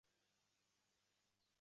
Boqqan eding, oldim boltamni qo’lga.